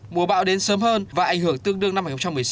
mùa bão đến sớm hơn và ảnh hưởng tương đương năm hai nghìn một mươi sáu